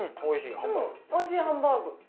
うんおいしいハンバーグ。